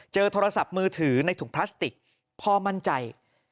โทรศัพท์มือถือในถุงพลาสติกพ่อมั่นใจ